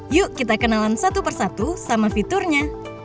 yuk kita kenalan satu persatu sama fiturnya